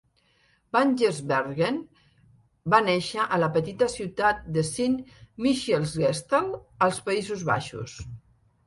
Van Giersbergen va néixer a la petita ciutat de Sint Michielsgestel, als Països Baixos.